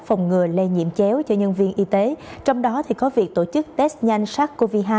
phòng ngừa lây nhiễm chéo cho nhân viên y tế trong đó có việc tổ chức test nhanh sars cov hai